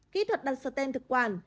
kỹ thuật đặt sở tên thực quản